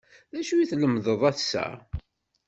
D acu i tlemdeḍ ass-a?